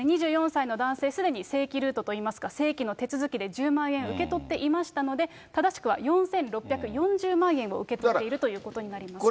２４歳の男性、すでに正規ルートといいますか、正規の手続きで１０万円受け取っていましたので、正しくは４６４０万円を受け取っているということになります。